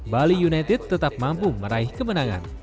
bali united tetap mampu meraih kemenangan